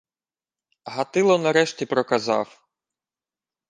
Гатило нарешті проказав: